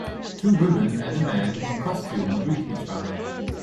Two women and a man in costume greet each other.